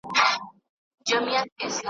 د کوټې چیلم یې هر څوک درباندي خوله لکوي